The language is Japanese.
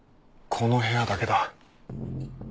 この部屋だけだ。